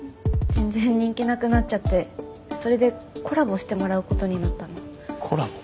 全然人気なくなっちゃってそれでコラボしてもらうことになったのコラボ？